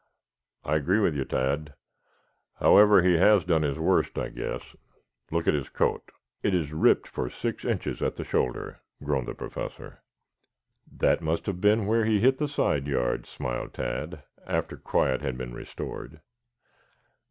"I agree with you, Tad. However, he has done his worst, I guess. Look at his coat. It is ripped for six inches at the shoulder," groaned the Professor. "That must have been where he hit the side yard," smiled Tad, after quiet had been restored.